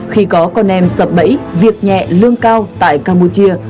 khi có con em sập bẫy việc nhẹ lương cao tại campuchia